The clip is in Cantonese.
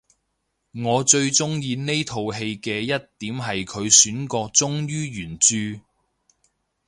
我最鍾意呢套戲嘅一點係佢選角忠於原著